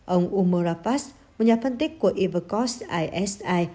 ông umura fass một nhà phân tích của ivercox isi